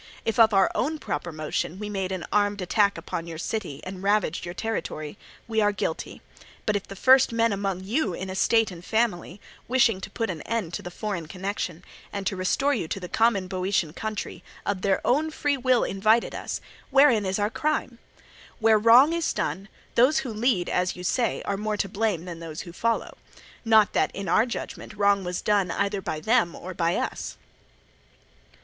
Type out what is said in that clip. If of our own proper motion we made an armed attack upon your city and ravaged your territory, we are guilty; but if the first men among you in estate and family, wishing to put an end to the foreign connection and to restore you to the common Boeotian country, of their own free will invited us, wherein is our crime? Where wrong is done, those who lead, as you say, are more to blame than those who follow. Not that, in our judgment, wrong was done either by them or by us.